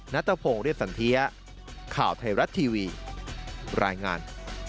นัทพงศ์เรียบสันเทียข่าวไทยรัฐทีวีรายงาน